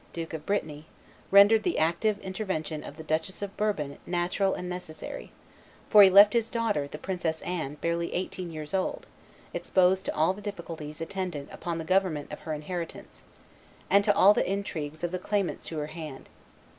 Duke of Brittany, rendered the active intervention of the Duchess of Bourbon natural and necessary; for he left his daughter, the Princess Anne, barely eighteen years old, exposed to all the difficulties attendant upon the government of her inheritance, and to all the intrigues of the claimants to her hand.